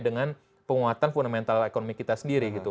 dengan penguatan fundamental ekonomi kita sendiri gitu